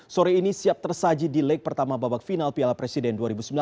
sore ini siap tersaji di leg pertama babak final piala presiden dua ribu sembilan belas